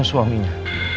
saya tau kamu suaminya